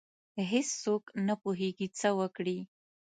هیڅ څوک نه پوهیږي څه وکړي.